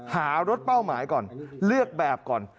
หารถเป้าหมายก่อนเลือกแบบก่อน